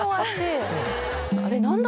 あれ。